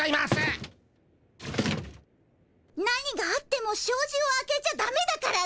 何があってもしょうじを開けちゃダメだからね。